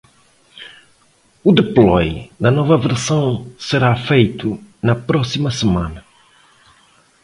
O deploy da nova versão será feito na próxima semana.